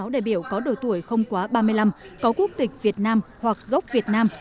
hai trăm ba mươi sáu đại biểu có đổi tuổi không quá ba mươi năm có quốc tịch việt nam hoặc gốc việt nam